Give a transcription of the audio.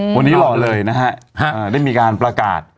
วันนี้รอเลยนะฮะได้มีการประกาศ